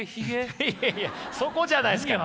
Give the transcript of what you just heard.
いやいやそこじゃないですから。